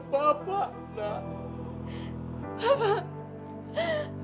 maafkan papa nak